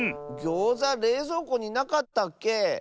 ギョーザれいぞうこになかったっけ？